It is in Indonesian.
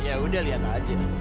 yaudah lihat aja